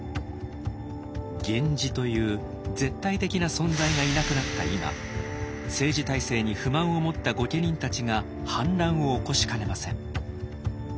源氏という絶対的な存在がいなくなった今政治体制に不満を持った御家人たちが反乱を起こしかねません。